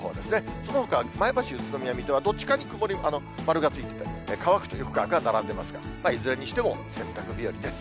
そのほか、前橋、宇都宮、水戸はどっちかに丸がついて、乾くとよく乾くが並んでますが、いずれにしても洗濯日和です。